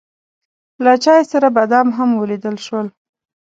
له چای سره بادام هم وليدل.